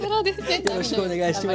よろしくお願いします。